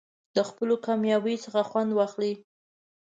د خپلو کامیابیو څخه خوند واخلئ.